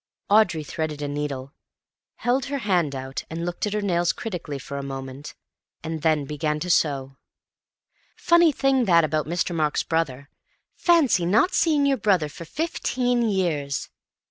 Audrey threaded a needle, held her hand out and looked at her nails critically for a moment, and then began to sew. "Funny thing that about Mr. Mark's brother. Fancy not seeing your brother for fifteen years."